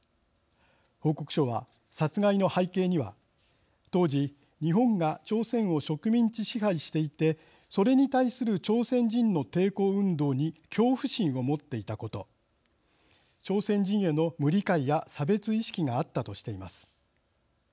報告書は、殺害の背景には当時、日本が朝鮮を植民地支配していてそれに対する朝鮮人の抵抗運動に恐怖心を持っていたこと朝鮮人への無理解や差別意識があったとしています。